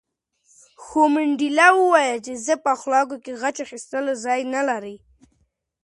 خو منډېلا وویل چې زما په اخلاقو کې غچ اخیستل ځای نه لري.